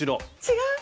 違う？